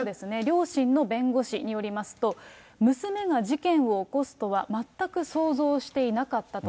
両親の弁護士によりますと、娘が事件を起こすとは全く想像していなかったと。